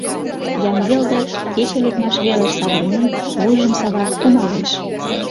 Яҥгелде, кече лекмаш велыш савырнен, вуйжым сава, кумалеш.